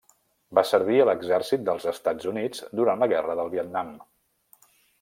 Va servir a l'exèrcit dels Estats Units durant la Guerra de Vietnam.